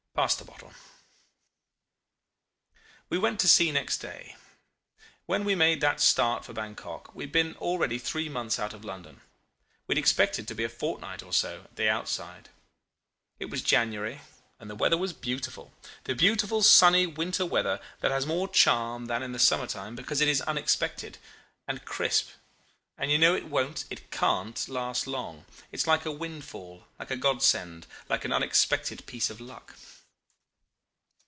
Pass the bottle. "We went to sea next day. When we made that start for Bankok we had been already three months out of London. We had expected to be a fortnight or so at the outside. "It was January, and the weather was beautiful the beautiful sunny winter weather that has more charm than in the summer time, because it is unexpected, and crisp, and you know it won't, it can't, last long. It's like a windfall, like a godsend, like an unexpected piece of luck.